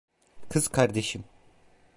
Kız kardeşim.